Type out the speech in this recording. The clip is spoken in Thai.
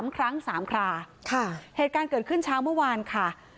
๓ครั้ง๓คราเหตุการณ์เกิดขึ้นเช้าเมื่อวานค่ะ